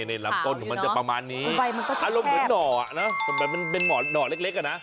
นี่ลำต้นมันจะประมาณนี้อารมณ์เหมือนหน่อเป็นหน่อเล็กอะนะ